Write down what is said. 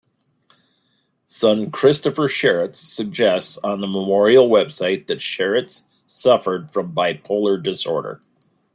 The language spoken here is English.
Son Christopher Sharits suggests on the memorial website that Sharits suffered from bipolar disorder.